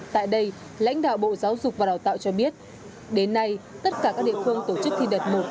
tại đây lãnh đạo bộ giáo dục và đào tạo cho biết đến nay tất cả các địa phương tổ chức thi đợt một